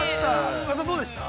宇賀さん、どうでしたか。